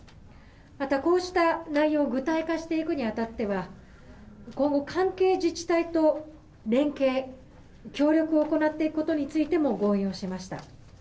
また、こうした内容を具体化していくにあたっては、今後、関係自治体と連携、協力を行っていくことについても合意をしました。